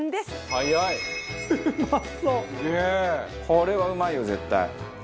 これはうまいよ絶対」